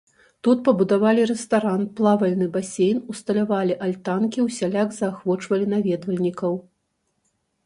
Тут пабудавалі рэстаран, плавальны басейн, усталявалі альтанкі, усяляк заахвочвалі наведвальнікаў.